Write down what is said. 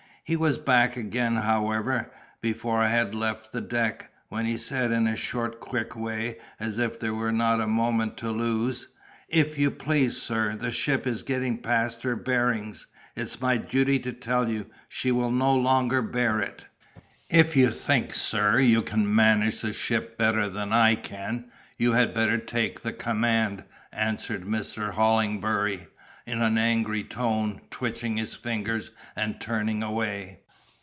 He was back again, however, before I had left the deck, when he said in a short quick way, as if there was not a moment to lose,— "If you please, sir, the ship is getting past her bearings; it's my duty to tell you, she will no longer bear it!" "If you think, sir, you can manage the ship better than I can, you had better take the command," answered Mr. Hollingbury, in an angry tone, twitching his fingers and turning away.